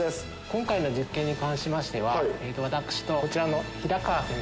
今回の実験に関しましては私とこちらの平川先生で。